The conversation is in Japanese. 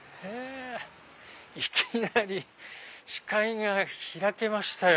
いきなり視界が開けましたよ。